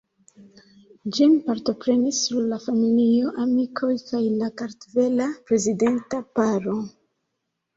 Ĝin partoprenis nur la familio, amikoj kaj la kartvela prezidenta paro.